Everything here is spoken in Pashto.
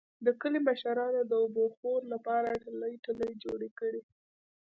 د کلي مشرانو د اوبهخور لپاره ټلۍ ټلۍ جوړې کړې.